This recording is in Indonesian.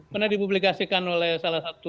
pernah dipublikasikan oleh salah satu